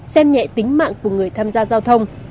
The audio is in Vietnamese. xem nhẹ tính mạng của người tham gia giao thông